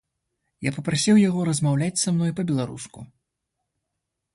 Я папрасіў яго размаўляць са мной па-беларуску.